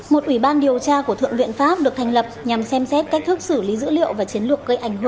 một ủy ban điều tra của thượng viện pháp được thành lập nhằm xem xét cách thức xử lý dữ liệu và chiến lược gây ảnh hưởng